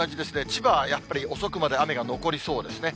千葉はやっぱり遅くまで雨が残りそうですね。